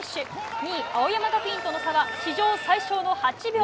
２位、青山学院との差は史上最少の８秒。